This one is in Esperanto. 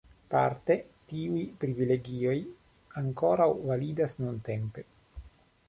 Parte tiuj privilegioj ankoraŭ validas nuntempe.